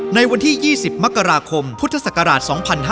ในวันที่๒๐มกราคมพุทธศักราช๒๕๕๙